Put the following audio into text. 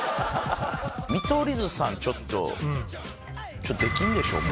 見取り図さんちょっと出禁でしょもう。